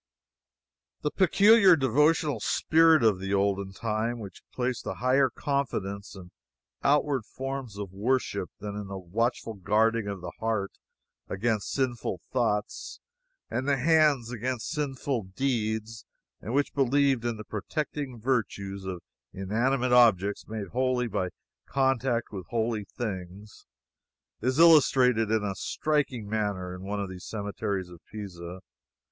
The peculiar devotional spirit of the olden time, which placed a higher confidence in outward forms of worship than in the watchful guarding of the heart against sinful thoughts and the hands against sinful deeds, and which believed in the protecting virtues of inanimate objects made holy by contact with holy things, is illustrated in a striking manner in one of the cemeteries of Pisa.